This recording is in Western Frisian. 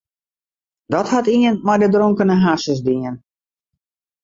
Dat hat ien mei de dronkene harsens dien.